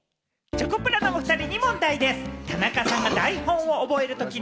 チョコプラのおふたりに問題です。